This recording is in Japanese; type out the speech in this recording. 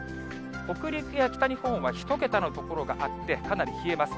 北陸や北日本は１桁の所があって、かなり冷えます。